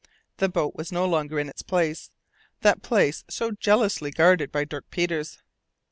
The boat was no longer in its place that place so jealously guarded by Dirk Peters.